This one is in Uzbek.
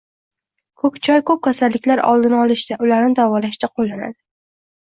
Ko‘k choy ko‘p kasalliklar oldini olishda, ularni davolashda qo‘llanadi.